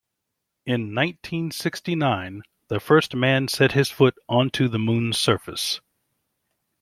In nineteen-sixty-nine the first man set his foot onto the moon's surface.